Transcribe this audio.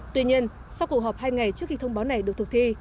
tuy nhiên sau cuộc họp hai ngày trước khi thông báo này được thực thi